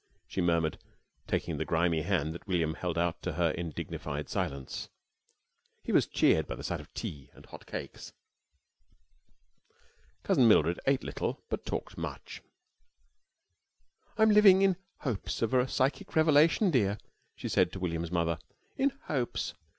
she murmured, taking the grimy hand that William held out to her in dignified silence. He was cheered by the sight of tea and hot cakes. Cousin Mildred ate little but talked much. "I'm living in hopes of a psychic revelation, dear," she said to William's mother. "_In hopes!